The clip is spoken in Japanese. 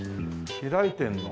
開いてるの？